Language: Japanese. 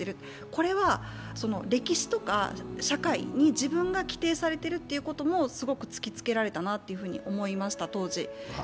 これは歴史とか社会に自分が規定されていることをすごく突きつけられたなと思いました、当時。